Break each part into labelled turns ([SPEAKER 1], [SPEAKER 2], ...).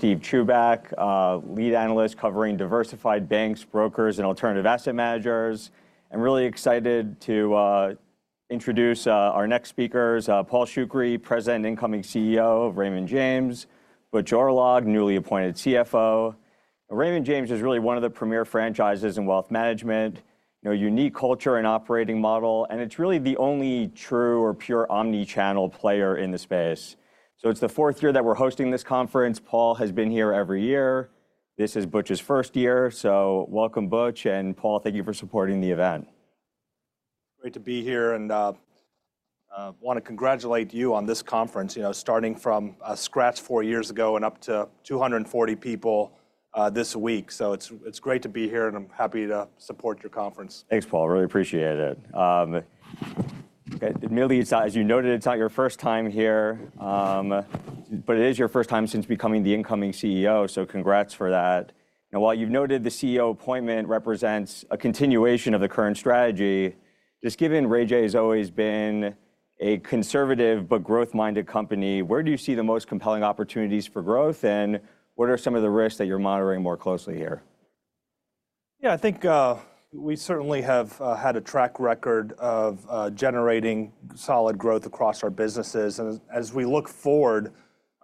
[SPEAKER 1] Steve Chubak, lead analyst covering diversified banks, brokers, and alternative asset managers. I'm really excited to introduce our next speakers, Paul Shoukry, President and incoming CEO of Raymond James, Butch Oorlog, newly appointed CFO. Raymond James is really one of the premier franchises in wealth management, a unique culture and operating model, and it's really the only true or pure omnichannel player in the space, so it's the fourth year that we're hosting this conference. Paul has been here every year. This is Butch's first year, so welcome, Butch, and Paul, thank you for supporting the event.
[SPEAKER 2] Great to be here, and I want to congratulate you on this conference, starting from scratch four years ago and up to 240 people this week, so it's great to be here, and I'm happy to support your conference.
[SPEAKER 1] Thanks, Paul. Really appreciate it. Admittedly, as you noted, it's not your first time here, but it is your first time since becoming the incoming CEO. So congrats for that. Now, while you've noted the CEO appointment represents a continuation of the current strategy, just given Ray J has always been a conservative but growth-minded company, where do you see the most compelling opportunities for growth, and what are some of the risks that you're monitoring more closely here?
[SPEAKER 2] Yeah, I think we certainly have had a track record of generating solid growth across our businesses. And as we look forward,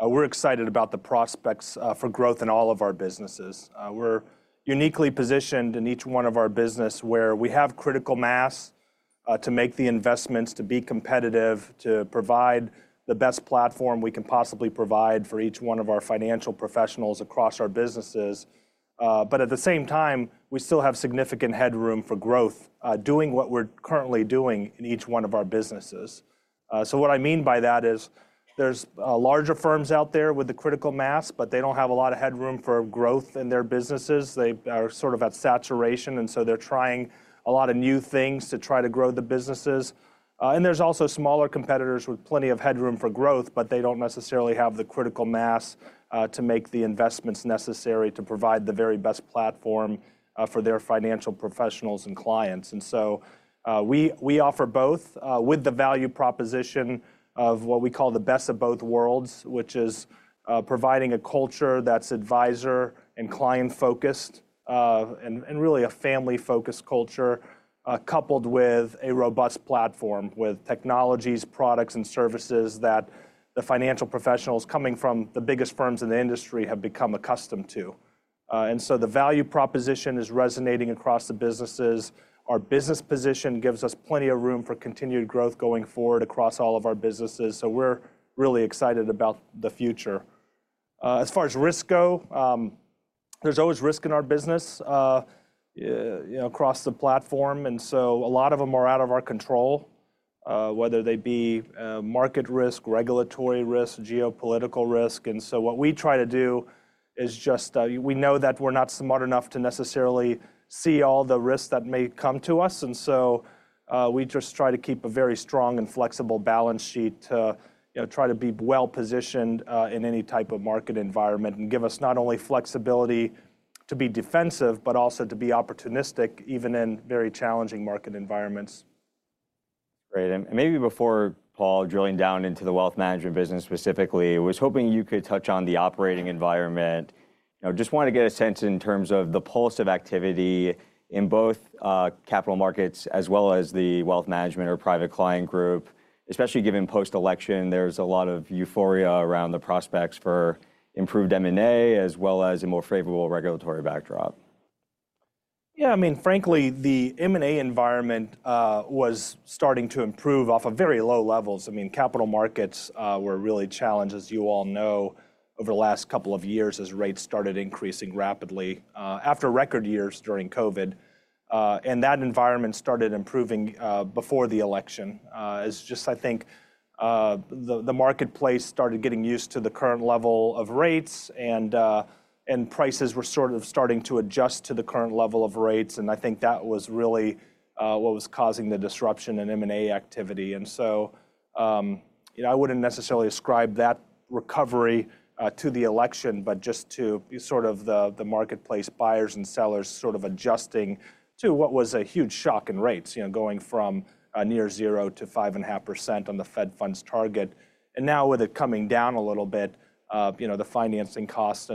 [SPEAKER 2] we're excited about the prospects for growth in all of our businesses. We're uniquely positioned in each one of our businesses where we have critical mass to make the investments, to be competitive, to provide the best platform we can possibly provide for each one of our financial professionals across our businesses. But at the same time, we still have significant headroom for growth, doing what we're currently doing in each one of our businesses. So what I mean by that is there's larger firms out there with the critical mass, but they don't have a lot of headroom for growth in their businesses. They are sort of at saturation, and so they're trying a lot of new things to try to grow the businesses. There's also smaller competitors with plenty of headroom for growth, but they don't necessarily have the critical mass to make the investments necessary to provide the very best platform for their financial professionals and clients. We offer both with the value proposition of what we call the best of both worlds, which is providing a culture that's advisor and client-focused and really a family-focused culture, coupled with a robust platform with technologies, products, and services that the financial professionals coming from the biggest firms in the industry have become accustomed to. The value proposition is resonating across the businesses. Our business position gives us plenty of room for continued growth going forward across all of our businesses. We're really excited about the future. As far as risk goes, there's always risk in our business across the platform. And so a lot of them are out of our control, whether they be market risk, regulatory risk, geopolitical risk. And so what we try to do is just we know that we're not smart enough to necessarily see all the risks that may come to us. And so we just try to keep a very strong and flexible balance sheet to try to be well-positioned in any type of market environment and give us not only flexibility to be defensive, but also to be opportunistic even in very challenging market environments.
[SPEAKER 1] Great. And maybe before, Paul, drilling down into the wealth management business specifically, I was hoping you could touch on the operating environment. I just want to get a sense in terms of the pulse of activity in both capital markets as well as the wealth management or private client group, especially given post-election. There's a lot of euphoria around the prospects for improved M&A as well as a more favorable regulatory backdrop.
[SPEAKER 2] Yeah, I mean, frankly, the M&A environment was starting to improve off of very low levels. I mean, capital markets were really challenged, as you all know, over the last couple of years as rates started increasing rapidly after record years during COVID. And that environment started improving before the election. It's just, I think, the marketplace started getting used to the current level of rates, and prices were sort of starting to adjust to the current level of rates. And I think that was really what was causing the disruption in M&A activity. And so I wouldn't necessarily ascribe that recovery to the election, but just to sort of the marketplace, buyers and sellers sort of adjusting to what was a huge shock in rates, going from near zero to 5.5% on the Fed Funds target. And now with it coming down a little bit, the financing cost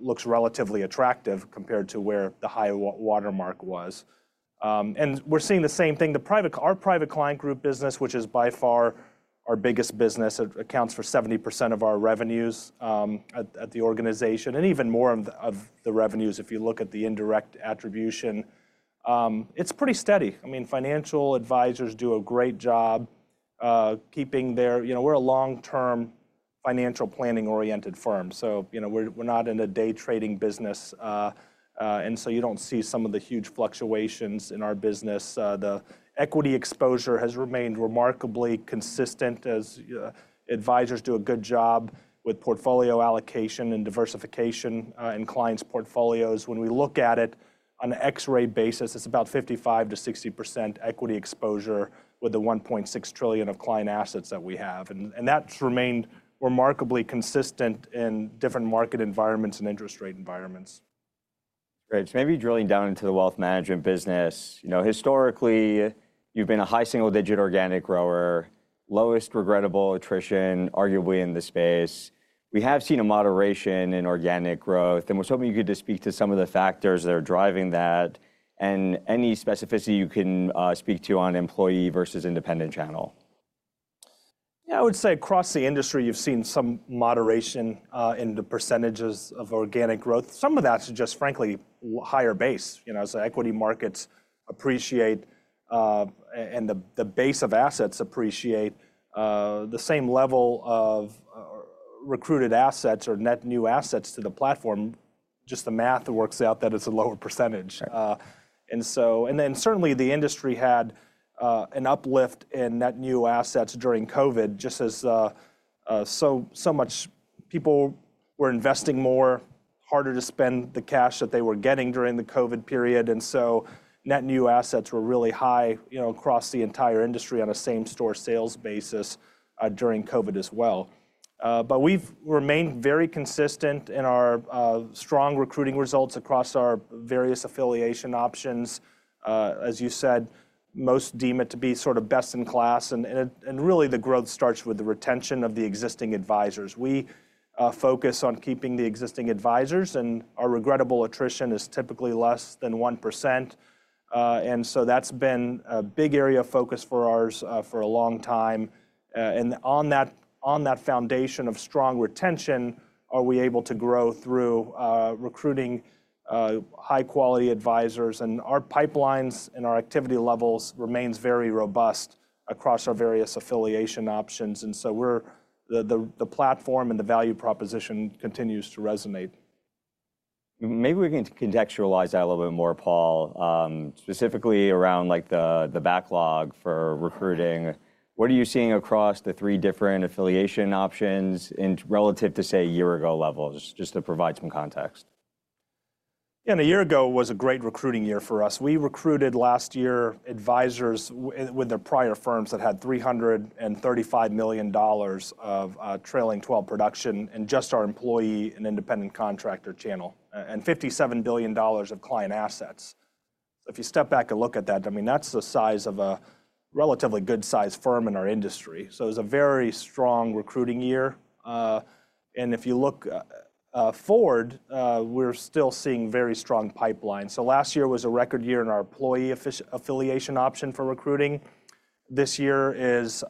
[SPEAKER 2] looks relatively attractive compared to where the high watermark was. And we're seeing the same thing. Our Private Client Group business, which is by far our biggest business, accounts for 70% of our revenues at the organization and even more of the revenues if you look at the indirect attribution. It's pretty steady. I mean, financial advisors do a great job keeping their, we're a long-term financial planning-oriented firm. So we're not in a day trading business. And so you don't see some of the huge fluctuations in our business. The equity exposure has remained remarkably consistent as advisors do a good job with portfolio allocation and diversification in clients' portfolios. When we look at it on an X-ray basis, it's about 55%-60% equity exposure with the $1.6 trillion of client assets that we have. That's remained remarkably consistent in different market environments and interest rate environments.
[SPEAKER 1] Great. So maybe drilling down into the wealth management business. Historically, you've been a high single-digit organic grower, lowest regrettable attrition, arguably in the space. We have seen a moderation in organic growth, and we're hoping you could just speak to some of the factors that are driving that and any specificity you can speak to on employee versus independent channel.
[SPEAKER 2] Yeah, I would say across the industry, you've seen some moderation in the percentages of organic growth. Some of that's just, frankly, higher base. So equity markets appreciate and the base of assets appreciate. The same level of recruited assets or net new assets to the platform, just the math works out that it's a lower percentage. And then certainly, the industry had an uplift in net new assets during COVID, just as so much people were investing more, harder to spend the cash that they were getting during the COVID period. And so net new assets were really high across the entire industry on a same-store sales basis during COVID as well. But we've remained very consistent in our strong recruiting results across our various affiliation options. As you said, most deem it to be sort of best in class. Really, the growth starts with the retention of the existing advisors. We focus on keeping the existing advisors, and our regrettable attrition is typically less than 1%. That's been a big area of focus for ours for a long time. On that foundation of strong retention, are we able to grow through recruiting high-quality advisors? Our pipelines and our activity levels remain very robust across our various affiliation options. The platform and the value proposition continues to resonate.
[SPEAKER 1] Maybe we can contextualize that a little bit more, Paul, specifically around the backlog for recruiting. What are you seeing across the three different affiliation options relative to, say, a year-ago levels, just to provide some context?
[SPEAKER 2] Yeah, and a year ago was a great recruiting year for us. We recruited last year advisors with their prior firms that had $335 million of trailing 12 production and just our employee and independent contractor channel and $57 billion of client assets. So if you step back and look at that, I mean, that's the size of a relatively good-sized firm in our industry. So it was a very strong recruiting year. And if you look forward, we're still seeing very strong pipelines. So last year was a record year in our employee affiliation option for recruiting. This year is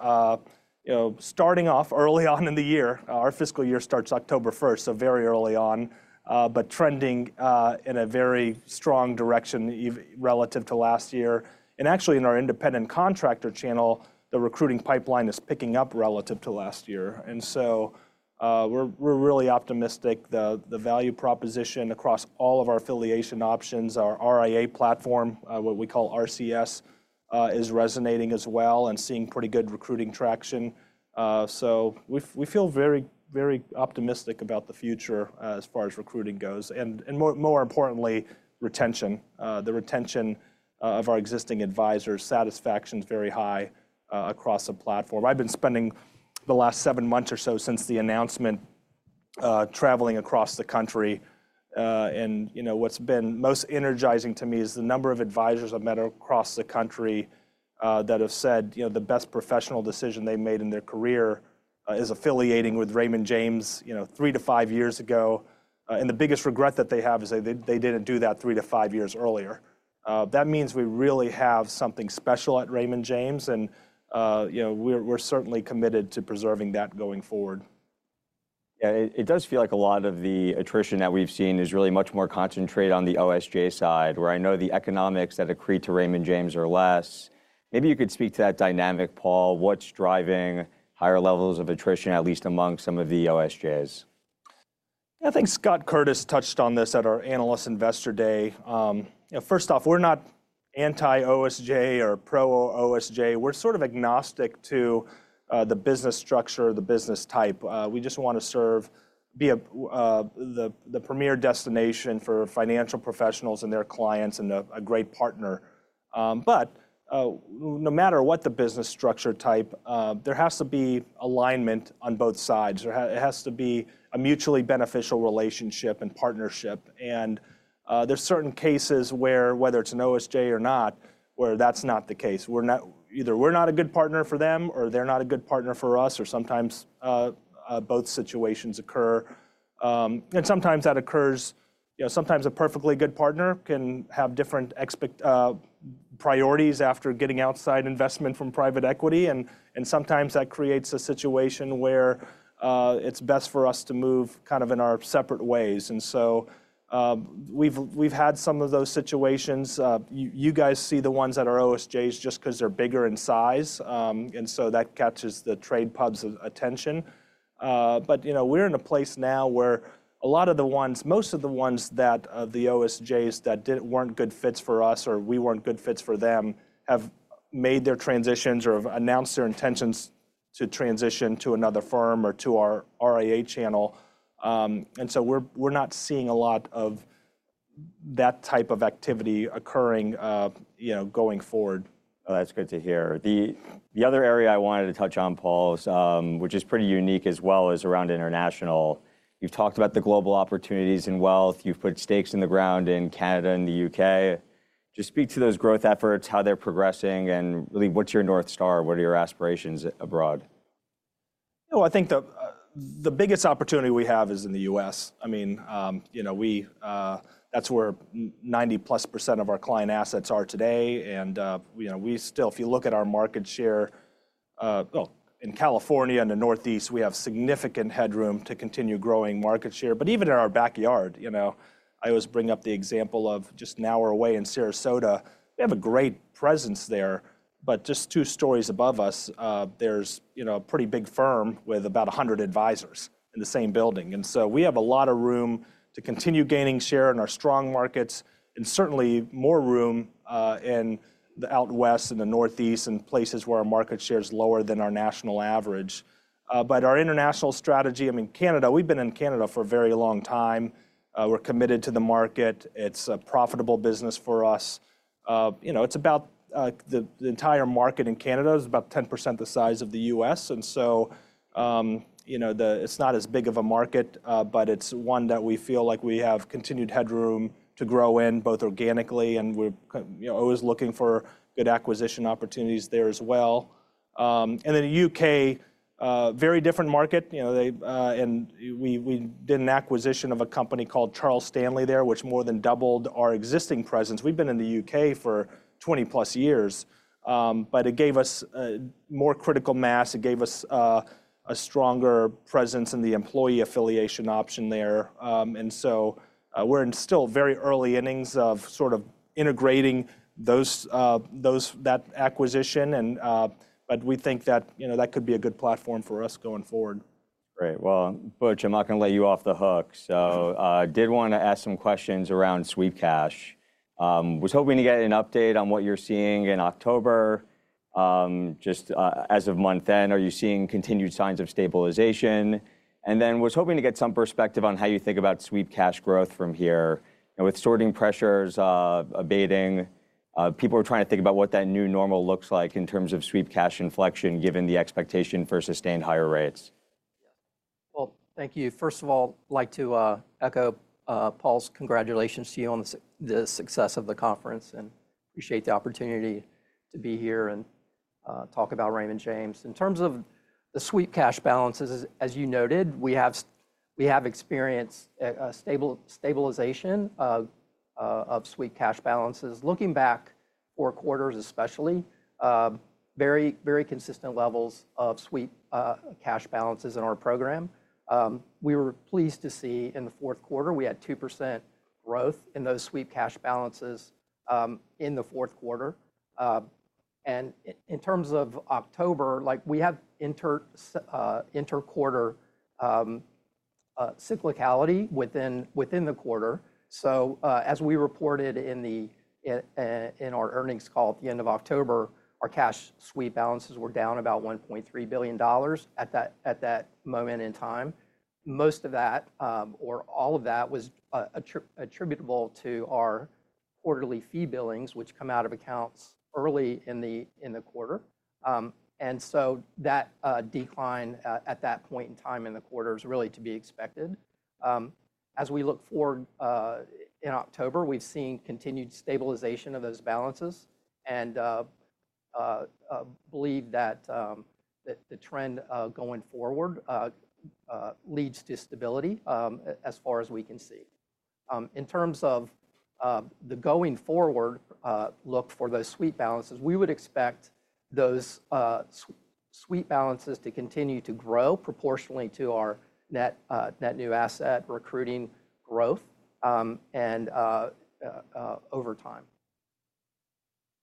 [SPEAKER 2] starting off early on in the year. Our fiscal year starts October 1st, so very early on, but trending in a very strong direction relative to last year. And actually, in our independent contractor channel, the recruiting pipeline is picking up relative to last year. And so we're really optimistic. The value proposition across all of our affiliation options, our RIA platform, what we call RCS, is resonating as well and seeing pretty good recruiting traction, so we feel very, very optimistic about the future as far as recruiting goes and, more importantly, retention. The retention of our existing advisors. Satisfaction is very high across the platform. I've been spending the last seven months or so since the announcement traveling across the country, and what's been most energizing to me is the number of advisors I've met across the country that have said the best professional decision they made in their career is affiliating with Raymond James three to five years ago, and the biggest regret that they have is they didn't do that three to five years earlier. That means we really have something special at Raymond James, and we're certainly committed to preserving that going forward.
[SPEAKER 1] Yeah, it does feel like a lot of the attrition that we've seen is really much more concentrated on the OSJ side, where I know the economics that accrue to Raymond James are less. Maybe you could speak to that dynamic, Paul. What's driving higher levels of attrition, at least among some of the OSJs?
[SPEAKER 2] Yeah, I think Scott Curtis touched on this at our Analysts Investor Day. First off, we're not anti-OSJ or pro-OSJ. We're sort of agnostic to the business structure, the business type. We just want to be the premier destination for financial professionals and their clients and a great partner. But no matter what the business structure type, there has to be alignment on both sides. There has to be a mutually beneficial relationship and partnership. And there are certain cases where, whether it's an OSJ or not, where that's not the case. Either we're not a good partner for them, or they're not a good partner for us, or sometimes both situations occur. And sometimes that occurs. Sometimes a perfectly good partner can have different priorities after getting outside investment from private equity. And sometimes that creates a situation where it's best for us to move kind of in our separate ways. And so we've had some of those situations. You guys see the ones that are OSJs just because they're bigger in size. And so that catches the trade pubs' attention. But we're in a place now where a lot of the ones, most of the ones that are the OSJs that weren't good fits for us or we weren't good fits for them have made their transitions or have announced their intentions to transition to another firm or to our RIA channel. And so we're not seeing a lot of that type of activity occurring going forward.
[SPEAKER 1] Oh, that's good to hear. The other area I wanted to touch on, Paul, which is pretty unique as well as around international, you've talked about the global opportunities in wealth. You've put stakes in the ground in Canada and the U.K. Just speak to those growth efforts, how they're progressing, and really what's your North Star? What are your aspirations abroad?
[SPEAKER 2] Well, I think the biggest opportunity we have is in the U.S. I mean, that's where 90%+ of our client assets are today. And we still, if you look at our market share, well, in California and the Northeast, we have significant headroom to continue growing market share. But even in our backyard, I always bring up the example of just an hour away in Sarasota. We have a great presence there. But just two stories above us, there's a pretty big firm with about 100 advisors in the same building. And so we have a lot of room to continue gaining share in our strong markets and certainly more room in the out West and the Northeast and places where our market share is lower than our national average. But our international strategy, I mean, Canada, we've been in Canada for a very long time. We're committed to the market. It's a profitable business for us. It's about the entire market in Canada is about 10% the size of the U.S., and so it's not as big of a market, but it's one that we feel like we have continued headroom to grow in both organically, and we're always looking for good acquisition opportunities there as well. And then the U.K., very different market, and we did an acquisition of a company called Charles Stanley there, which more than doubled our existing presence. We've been in the U.K. for 20+ years, but it gave us more critical mass. It gave us a stronger presence in the employee affiliation option there, and so we're still very early innings of sort of integrating that acquisition, but we think that that could be a good platform for us going forward.
[SPEAKER 1] Great. Well, Butch, I'm not going to let you off the hook. So I did want to ask some questions around sweep cash. I was hoping to get an update on what you're seeing in October, just as of month end. Are you seeing continued signs of stabilization? And then I was hoping to get some perspective on how you think about sweep cash growth from here with sorting pressures abating. People are trying to think about what that new normal looks like in terms of sweep cash inflection, given the expectation for sustained higher rates.
[SPEAKER 3] Well, thank you. First of all, I'd like to echo Paul's congratulations to you on the success of the conference and appreciate the opportunity to be here and talk about Raymond James. In terms of the sweep cash balances, as you noted, we have experienced stabilization of sweep cash balances. Looking back four quarters, especially very, very consistent levels of sweep cash balances in our program. We were pleased to see in the fourth quarter, we had 2% growth in those sweep cash balances in the fourth quarter. In terms of October, we have interquarter cyclicality within the quarter. So as we reported in our earnings call at the end of October, our cash sweep balances were down about $1.3 billion at that moment in time. Most of that, or all of that, was attributable to our quarterly fee billings, which come out of accounts early in the quarter. And so that decline at that point in time in the quarter is really to be expected. As we look forward in October, we've seen continued stabilization of those balances. And I believe that the trend going forward leads to stability as far as we can see. In terms of the going forward look for those sweep balances, we would expect those sweep balances to continue to grow proportionally to our net new asset recruiting growth and over time.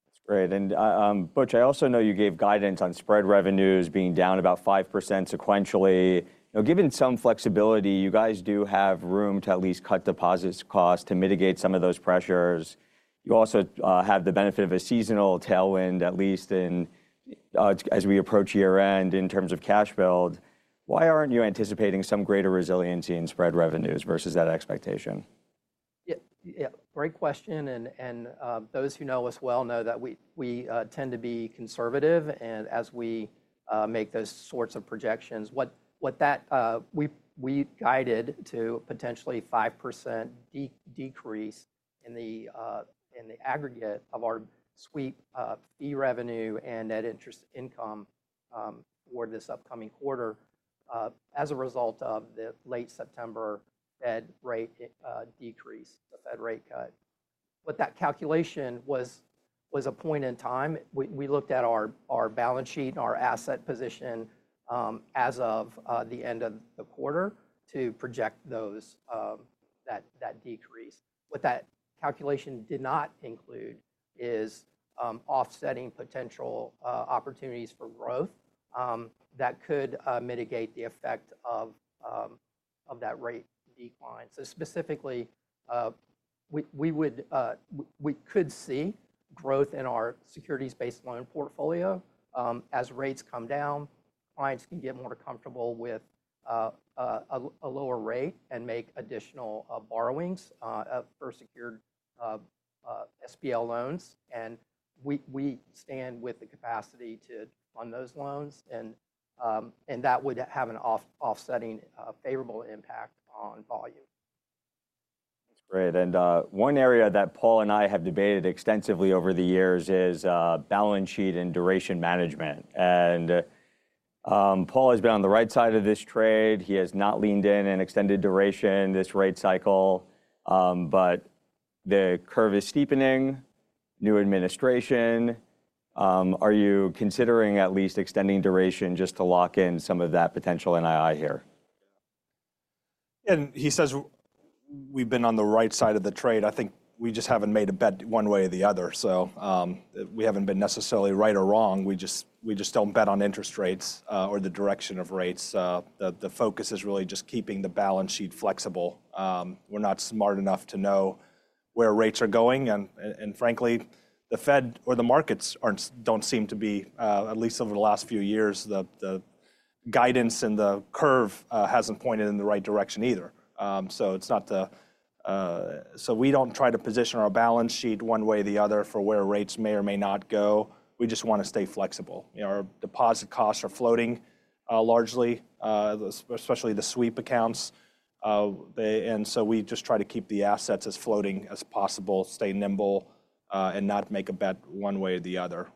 [SPEAKER 1] That's great and Butch, I also know you gave guidance on spread revenues being down about 5% sequentially. Given some flexibility, you guys do have room to at least cut deposit costs to mitigate some of those pressures. You also have the benefit of a seasonal tailwind, at least as we approach year-end in terms of cash build. Why aren't you anticipating some greater resiliency in spread revenues versus that expectation?
[SPEAKER 3] Yeah, great question. And those who know us well know that we tend to be conservative. And as we make those sorts of projections, we guided to potentially a 5% decrease in the aggregate of our sweep fee revenue and net interest income for this upcoming quarter as a result of the late September Fed rate decrease, the Fed rate cut. But that calculation was a point in time. We looked at our balance sheet and our asset position as of the end of the quarter to project that decrease. What that calculation did not include is offsetting potential opportunities for growth that could mitigate the effect of that rate decline. So specifically, we could see growth in our securities-based loan portfolio as rates come down. Clients can get more comfortable with a lower rate and make additional borrowings for secured SBL loans. We stand with the capacity to fund those loans. That would have an offsetting favorable impact on volume.
[SPEAKER 1] That's great. And one area that Paul and I have debated extensively over the years is balance sheet and duration management. And Paul has been on the right side of this trade. He has not leaned in and extended duration this rate cycle. But the curve is steepening. New administration. Are you considering at least extending duration just to lock in some of that potential NII here?
[SPEAKER 2] He says we've been on the right side of the trade. I think we just haven't made a bet one way or the other. We haven't been necessarily right or wrong. We just don't bet on interest rates or the direction of rates. The focus is really just keeping the balance sheet flexible. We're not smart enough to know where rates are going. Frankly, the Fed or the markets don't seem to be, at least over the last few years, the guidance and the curve hasn't pointed in the right direction either. We don't try to position our balance sheet one way or the other for where rates may or may not go. We just want to stay flexible. Our deposit costs are floating largely, especially the sweep accounts. And so we just try to keep the assets as floating as possible, stay nimble, and not make a bet one way or the other.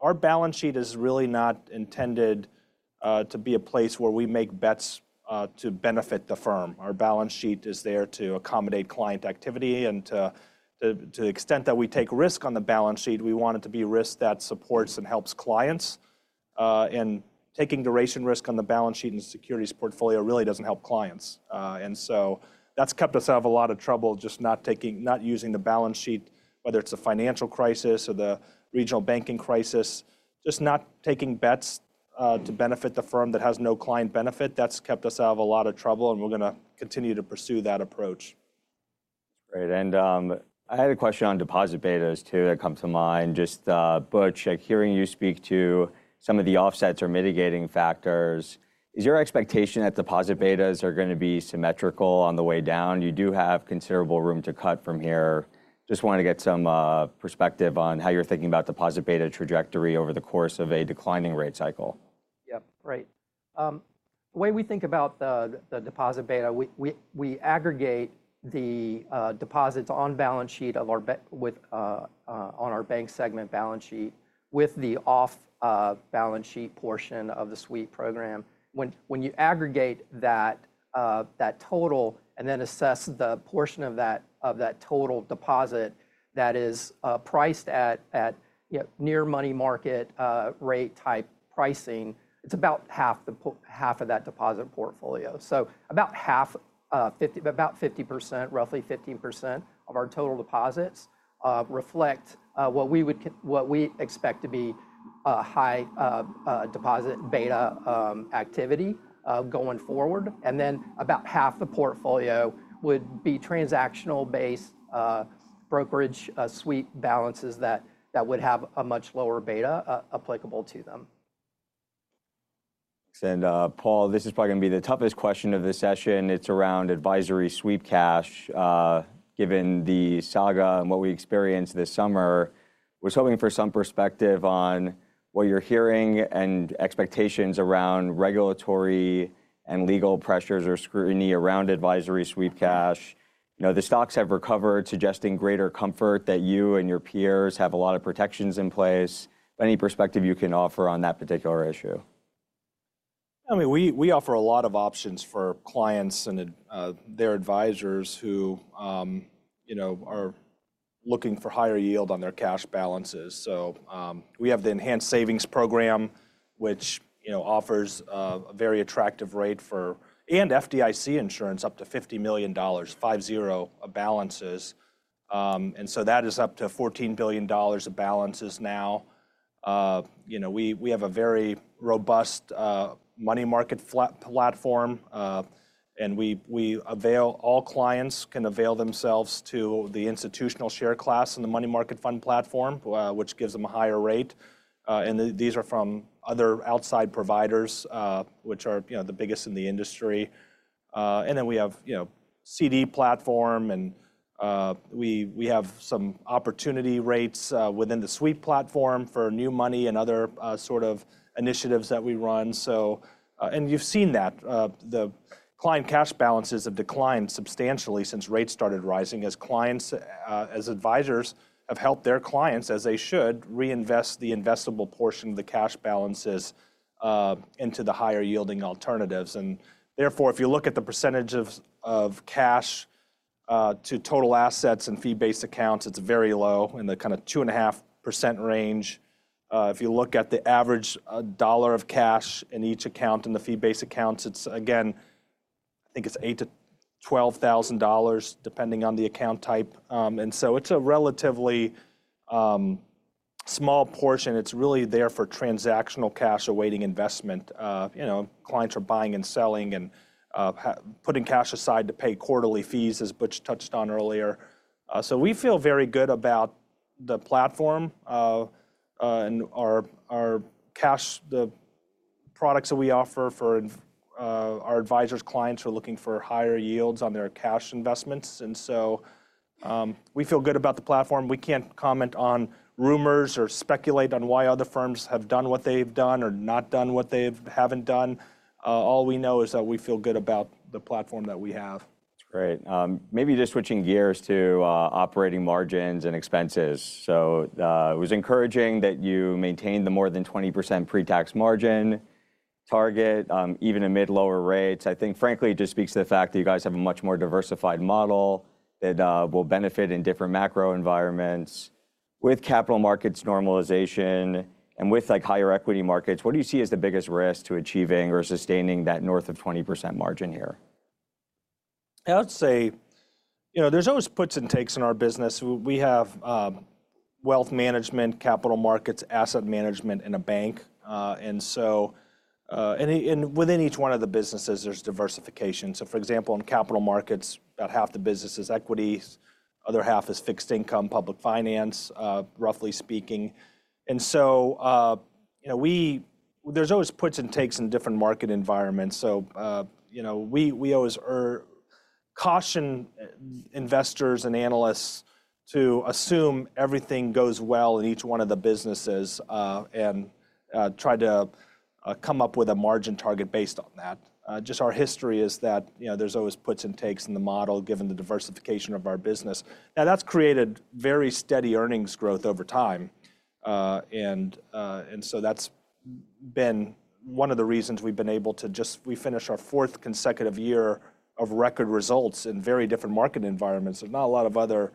[SPEAKER 2] Our balance sheet is really not intended to be a place where we make bets to benefit the firm. Our balance sheet is there to accommodate client activity. And to the extent that we take risk on the balance sheet, we want it to be risk that supports and helps clients. And taking duration risk on the balance sheet and securities portfolio really doesn't help clients. And so that's kept us out of a lot of trouble just not using the balance sheet, whether it's a financial crisis or the regional banking crisis, just not taking bets to benefit the firm that has no client benefit. That's kept us out of a lot of trouble. And we're going to continue to pursue that approach.
[SPEAKER 1] That's great. And I had a question on deposit betas too that comes to mind. Just Butch, hearing you speak to some of the offsets or mitigating factors, is your expectation that deposit betas are going to be symmetrical on the way down? You do have considerable room to cut from here. Just wanted to get some perspective on how you're thinking about deposit beta trajectory over the course of a declining rate cycle.
[SPEAKER 3] Yep, right. The way we think about the deposit beta, we aggregate the deposits on balance sheet on our bank segment balance sheet with the off balance sheet portion of the sweep program. When you aggregate that total and then assess the portion of that total deposit that is priced at near money market rate type pricing, it's about half of that deposit portfolio, so about 50%, roughly 15% of our total deposits reflect what we expect to be high deposit beta activity going forward, and then about half the portfolio would be transactional-based brokerage sweep balances that would have a much lower beta applicable to them.
[SPEAKER 1] Paul, this is probably going to be the toughest question of the session. It's around advisory sweep cash given the saga and what we experienced this summer. I was hoping for some perspective on what you're hearing and expectations around regulatory and legal pressures or scrutiny around advisory sweep cash. The stocks have recovered, suggesting greater comfort that you and your peers have a lot of protections in place. Any perspective you can offer on that particular issue?
[SPEAKER 2] I mean, we offer a lot of options for clients and their advisors who are looking for higher yield on their cash balances. So we have the Enhanced Savings Program, which offers a very attractive rate, and FDIC insurance up to $50 million, five-zero balances, and so that is up to $14 billion of balances now. We have a very robust money market platform, and all clients can avail themselves of the institutional share class and the money market fund platform, which gives them a higher rate, and these are from other outside providers, which are the biggest in the industry, and then we have CD platform, and we have some opportunity rates within the sweep platform for new money and other sort of initiatives that we run, and you've seen that. The client cash balances have declined substantially since rates started rising as advisors have helped their clients, as they should, reinvest the investable portion of the cash balances into the higher yielding alternatives, and therefore, if you look at the percentage of cash to total assets and fee-based accounts, it's very low in the kind of 2.5% range. If you look at the average dollar of cash in each account in the fee-based accounts, it's, again, I think it's $8,000-$12,000 depending on the account type, and so it's a relatively small portion. It's really there for transactional cash awaiting investment. Clients are buying and selling and putting cash aside to pay quarterly fees, as Butch touched on earlier, so we feel very good about the platform and the products that we offer for our advisors' clients who are looking for higher yields on their cash investments. And so we feel good about the platform. We can't comment on rumors or speculate on why other firms have done what they've done or not done what they haven't done. All we know is that we feel good about the platform that we have.
[SPEAKER 1] That's great. Maybe just switching gears to operating margins and expenses. So it was encouraging that you maintained the more than 20% pre-tax margin target, even amid lower rates. I think, frankly, it just speaks to the fact that you guys have a much more diversified model that will benefit in different macro environments. With capital markets normalization and with higher equity markets, what do you see as the biggest risk to achieving or sustaining that north of 20% margin here?
[SPEAKER 2] I'd say there's always puts and takes in our business. We have wealth management, capital markets, asset management, and a bank. And within each one of the businesses, there's diversification. So for example, in capital markets, about half the business is equity. The other half is fixed income, public finance, roughly speaking. And so there's always puts and takes in different market environments. So we always caution investors and analysts to assume everything goes well in each one of the businesses and try to come up with a margin target based on that. Just our history is that there's always puts and takes in the model given the diversification of our business. Now, that's created very steady earnings growth over time. And so that's been one of the reasons we've been able to just we finished our fourth consecutive year of record results in very different market environments. There's not a lot of other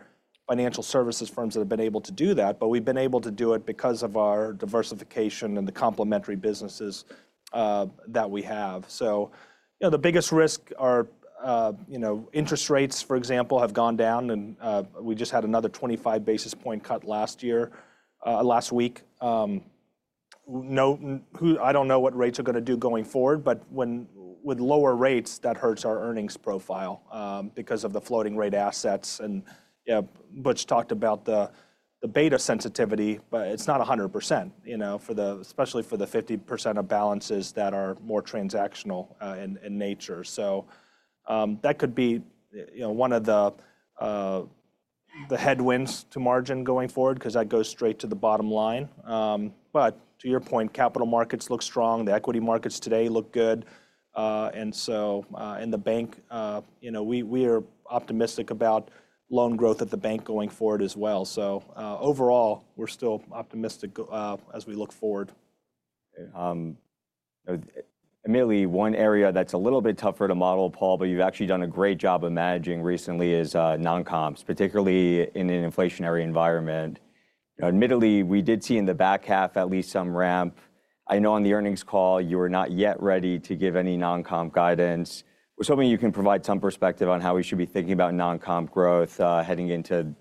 [SPEAKER 2] financial services firms that have been able to do that. But we've been able to do it because of our diversification and the complementary businesses that we have. So the biggest risk are interest rates, for example, have gone down. And we just had another 25 basis point cut last week. I don't know what rates are going to do going forward. But with lower rates, that hurts our earnings profile because of the floating rate assets. And Butch talked about the beta sensitivity. But it's not 100%, especially for the 50% of balances that are more transactional in nature. So that could be one of the headwinds to margin going forward because that goes straight to the bottom line. But to your point, capital markets look strong. The equity markets today look good. And so in the bank, we are optimistic about loan growth at the bank going forward as well. So overall, we're still optimistic as we look forward.
[SPEAKER 1] Admittedly, one area that's a little bit tougher to model, Paul, but you've actually done a great job of managing recently is non-comps, particularly in an inflationary environment. Admittedly, we did see in the back half at least some ramp. I know on the earnings call, you were not yet ready to give any non-comp guidance. I was hoping you can provide some perspective on how we should be thinking about non-comp growth heading into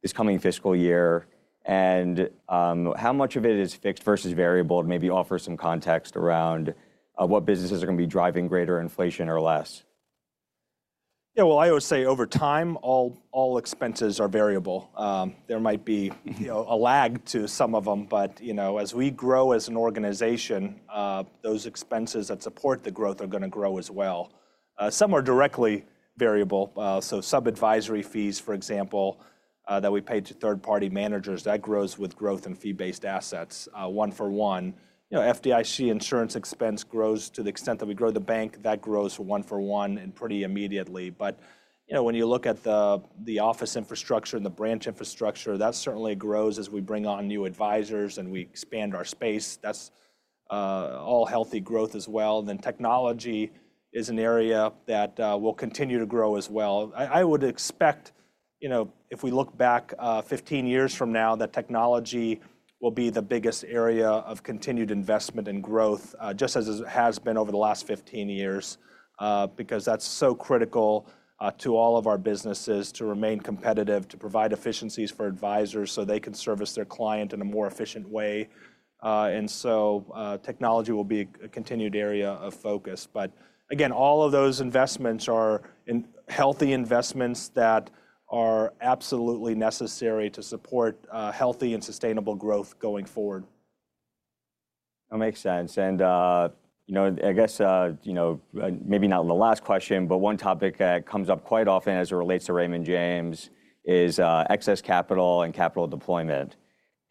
[SPEAKER 1] this coming fiscal year and how much of it is fixed versus variable. Maybe offer some context around what businesses are going to be driving greater inflation or less.
[SPEAKER 2] Yeah, well, I always say over time, all expenses are variable. There might be a lag to some of them. But as we grow as an organization, those expenses that support the growth are going to grow as well. Some are directly variable. So sub-advisory fees, for example, that we pay to third-party managers, that grows with growth in fee-based assets, one-for-one. FDIC insurance expense grows to the extent that we grow the bank. That grows one-for-one and pretty immediately. But when you look at the office infrastructure and the branch infrastructure, that certainly grows as we bring on new advisors and we expand our space. That's all healthy growth as well. Then technology is an area that will continue to grow as well. I would expect, if we look back 15 years from now, that technology will be the biggest area of continued investment and growth, just as it has been over the last 15 years because that's so critical to all of our businesses to remain competitive, to provide efficiencies for advisors so they can service their client in a more efficient way, and so technology will be a continued area of focus, but again, all of those investments are healthy investments that are absolutely necessary to support healthy and sustainable growth going forward.
[SPEAKER 1] That makes sense. And I guess maybe not the last question, but one topic that comes up quite often as it relates to Raymond James is excess capital and capital deployment.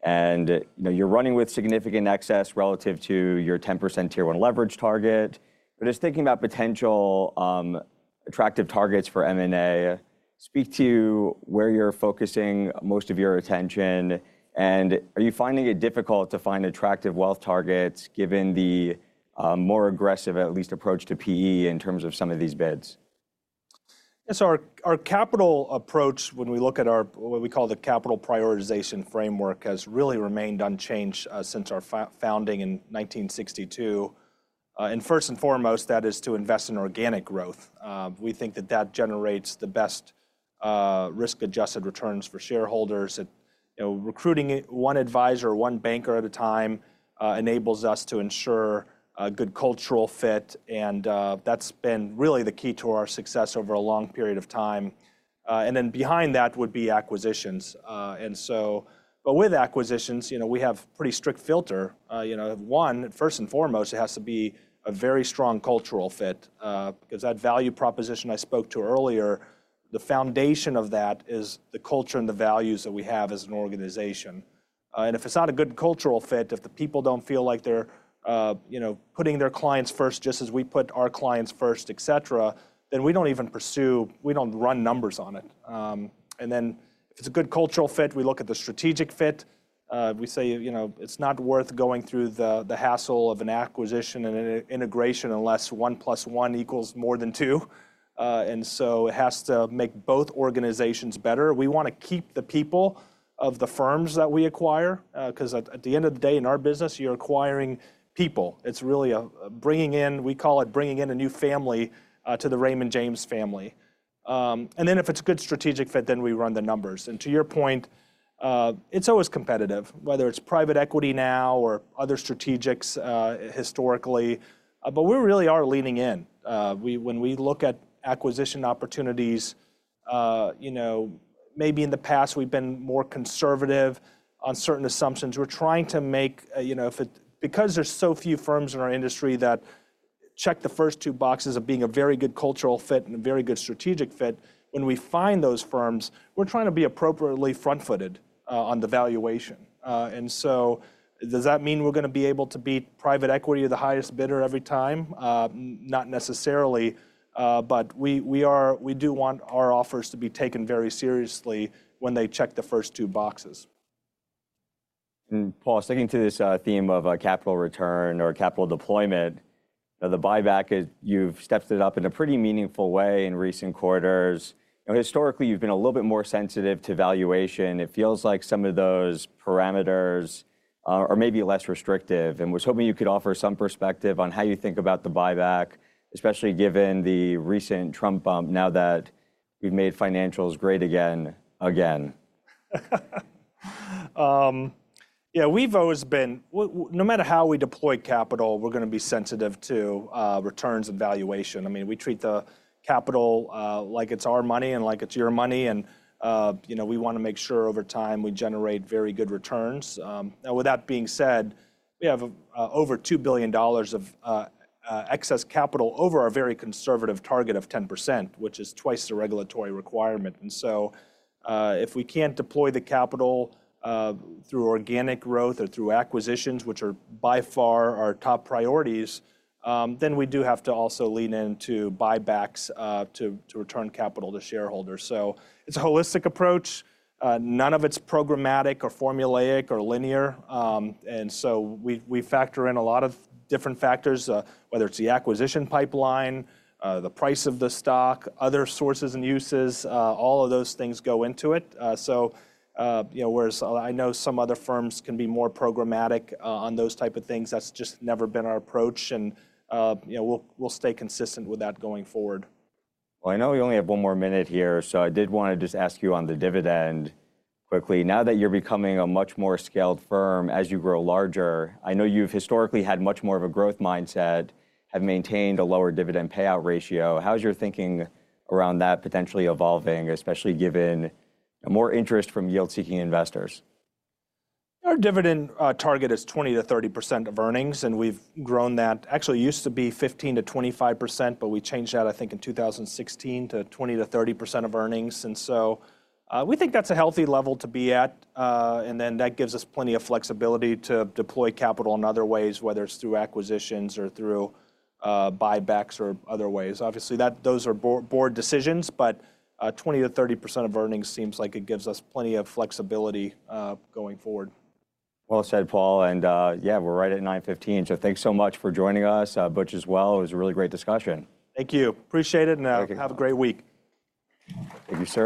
[SPEAKER 1] And you're running with significant excess relative to your 10% Tier 1 leverage target. But just thinking about potential attractive targets for M&A, speak to where you're focusing most of your attention. And are you finding it difficult to find attractive wealth targets given the more aggressive, at least, approach to PE in terms of some of these bids?
[SPEAKER 2] Yes. Our capital approach, when we look at what we call the capital prioritization framework, has really remained unchanged since our founding in 1962, and first and foremost, that is to invest in organic growth. We think that that generates the best risk-adjusted returns for shareholders. Recruiting one advisor, one banker at a time enables us to ensure a good cultural fit, and that's been really the key to our success over a long period of time, and then behind that would be acquisitions, but with acquisitions, we have a pretty strict filter. One, first and foremost, it has to be a very strong cultural fit because that value proposition I spoke to earlier, the foundation of that is the culture and the values that we have as an organization. If it's not a good cultural fit, if the people don't feel like they're putting their clients first just as we put our clients first, et cetera, then we don't even pursue. We don't run numbers on it. Then if it's a good cultural fit, we look at the strategic fit. We say it's not worth going through the hassle of an acquisition and an integration unless 1 + 1 equals more than two. So it has to make both organizations better. We want to keep the people of the firms that we acquire because at the end of the day, in our business, you're acquiring people. It's really bringing in. We call it bringing in a new family to the Raymond James family. Then if it's a good strategic fit, then we run the numbers. To your point, it's always competitive, whether it's private equity now or other strategics historically. But we really are leaning in. When we look at acquisition opportunities, maybe in the past, we've been more conservative on certain assumptions we're trying to make because there's so few firms in our industry that check the first two boxes of being a very good cultural fit and a very good strategic fit. When we find those firms, we're trying to be appropriately front-footed on the valuation. And so does that mean we're going to be able to beat private equity or the highest bidder every time? Not necessarily. But we do want our offers to be taken very seriously when they check the first two boxes.
[SPEAKER 1] Paul, sticking to this theme of capital return or capital deployment, the buyback, you've stepped it up in a pretty meaningful way in recent quarters. Historically, you've been a little bit more sensitive to valuation. It feels like some of those parameters are maybe less restrictive. And was hoping you could offer some perspective on how you think about the buyback, especially given the recent Trump bump now that we've made financials great again?
[SPEAKER 2] Yeah, we've always been, no matter how we deploy capital, we're going to be sensitive to returns and valuation. I mean, we treat the capital like it's our money and like it's your money, and we want to make sure over time we generate very good returns. Now, with that being said, we have over $2 billion of excess capital over our very conservative target of 10%, which is twice the regulatory requirement, and so if we can't deploy the capital through organic growth or through acquisitions, which are by far our top priorities, then we do have to also lean into buybacks to return capital to shareholders, so it's a holistic approach. None of it's programmatic or formulaic or linear, and so we factor in a lot of different factors, whether it's the acquisition pipeline, the price of the stock, other sources and uses. All of those things go into it. So whereas I know some other firms can be more programmatic on those type of things, that's just never been our approach. And we'll stay consistent with that going forward.
[SPEAKER 1] I know we only have one more minute here. I did want to just ask you on the dividend quickly. Now that you're becoming a much more scaled firm as you grow larger, I know you've historically had much more of a growth mindset, have maintained a lower dividend payout ratio. How's your thinking around that potentially evolving, especially given more interest from yield-seeking investors?
[SPEAKER 2] Our dividend target is 20%-30% of earnings, and we've grown that. Actually, it used to be 15%-25%, but we changed that, I think, in 2016 to 20%-30% of earnings, and so we think that's a healthy level to be at, and then that gives us plenty of flexibility to deploy capital in other ways, whether it's through acquisitions or through buybacks or other ways. Obviously, those are board decisions, but 20%-30% of earnings seems like it gives us plenty of flexibility going forward.
[SPEAKER 1] Well said, Paul. And yeah, we're right at 9:15. So thanks so much for joining us, Butch, as well. It was a really great discussion.
[SPEAKER 2] Thank you. Appreciate it. And have a great week.
[SPEAKER 1] Thank you.